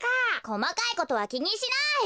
こまかいことはきにしない！